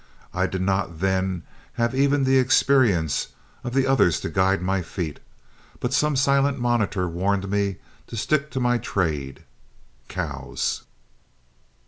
I did not then have even the experience of others to guide my feet, but some silent monitor warned me to stick to my trade, cows.